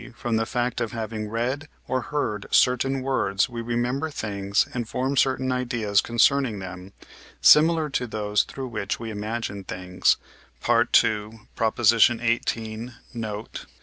from the fact of having read or heard certain words we remember things and form certain ideas concerning them, similar to those through which we imagine things (II. xviii. note).